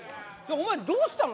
お前どうしたの？